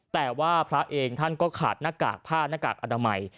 แต่ว่าพระเองท่านก็ขาดหน้ากากผ้าหน้ากากอนามัย